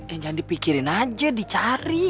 yang jangan dipikirin aja dicari